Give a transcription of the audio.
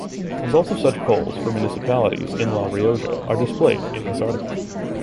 Results of such polls for municipalities in La Rioja are displayed in this article.